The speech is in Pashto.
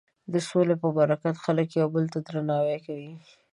د سولې په برکت خلک یو بل ته درناوی کوي.